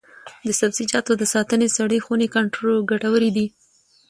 د سبزیجاتو د ساتنې سړې خونې ګټورې دي.